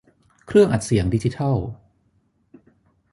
เครื่องอัดเสียงดิจิทัล